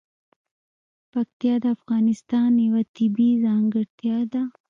پکتیا د افغانستان یوه طبیعي ځانګړتیا ده.